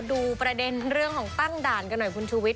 ดูประเด็นเรื่องของตั้งด่านกันหน่อยคุณชูวิท